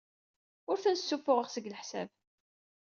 Ur ten-ssuffuɣeɣ seg leḥsab.